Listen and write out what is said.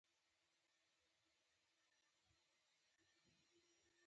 برېټانویانو د بازار موندنې بورډ تشکیل کړ.